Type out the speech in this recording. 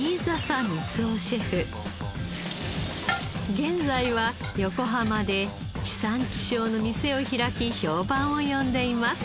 現在は横浜で地産地消の店を開き評判を呼んでいます。